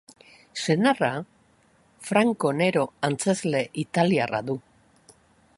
Senarra Franco Nero antzezle italiarra du.